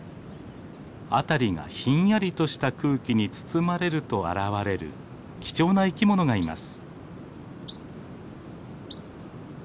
辺りがひんやりとした空気に包まれると現れる貴重な生き物がいます。